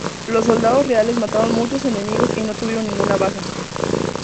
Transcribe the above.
Los soldados reales mataron muchos enemigos y no tuvieron ninguna baja.